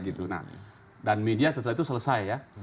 dan media setelah itu selesai